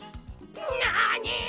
なに！？